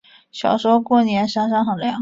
小时候过年山上很凉